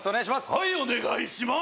はいお願いします！